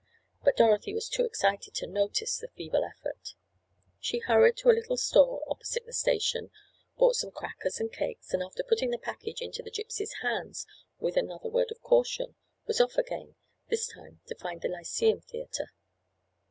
But Dorothy was too excited to notice the feeble effort. She hurried to a little store opposite the station, bought some crackers and cakes, and after putting the package into the Gypsy's hands, with another word of caution, was off again, this time to find the Lyceum Theatre.